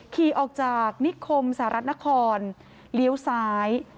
ขี่ออกจากนิคมสหรัฐนครเลี้ยวซ้าย